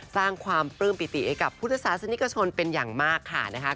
สร้างความปลื้มปิติให้กับพุทธศาสนิกชนเป็นอย่างมากค่ะนะคะ